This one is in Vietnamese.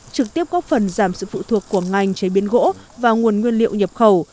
trực tiếp góp phần giảm sự phụ thuộc của ngành chế biến gỗ và nguồn nguyên liệu nhập khẩu